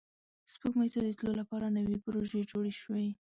سپوږمۍ ته د تلو لپاره نوې پروژې جوړې شوې